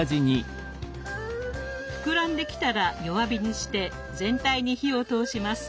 膨らんできたら弱火にして全体に火を通します。